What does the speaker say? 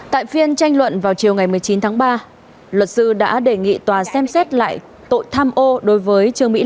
tại phiên tranh luận vào chiều ngày một mươi chín tháng ba luật sư đã đề nghị tòa xem xét lại tội tham ô đối với trương mỹ lan